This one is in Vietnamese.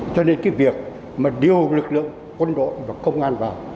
cho nên cái việc mà điều lực lượng quân đội và công an vào